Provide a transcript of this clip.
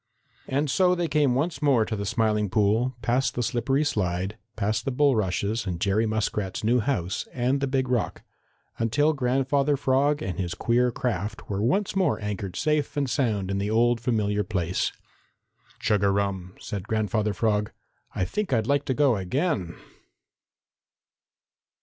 And so they came once more to the Smiling Pool, past the slippery slide, past the bulrushes and Jerry Muskrat's new house and the Big Rock, until Grandfather Frog and his queer craft were once more anchored safe and sound in the old familiar place. "Chug a rum!" said Grandfather Frog. "I think I'd like to go again."